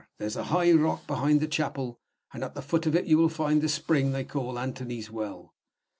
There's a high rock behind the chapel, and at the foot of it you will find the spring they call Anthony's Well.